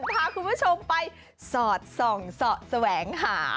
พาคุณผู้ชมไปสอดส่องสอดแสวงหา